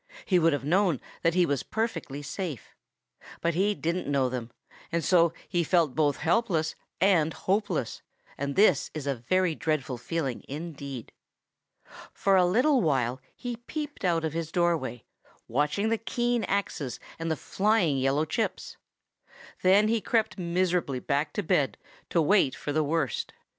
He would have known that he was perfectly safe. But he didn't know them, and so he felt both helpless and hopeless, and this is a very dreadful feeling indeed. For a little while he peeped out of his doorway, watching the keen axes and the flying yellow chips. Then he crept miserably back to bed to wait for the worst.